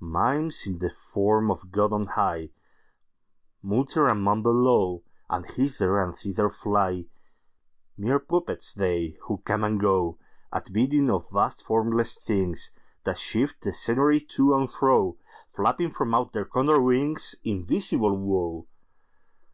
Mimes, in the form of God on high, Mutter and mumble low, And hither and thither fly—Mere puppets they, who come and goAt bidding of vast formless thingsThat shift the scenery to and fro, Flapping from out their Condor wingsInvisible Woe!